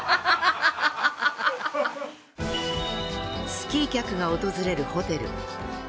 スキー客が訪れるホテル。